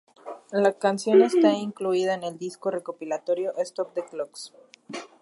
La canción está incluida en el disco recopilatorio "Stop the Clocks".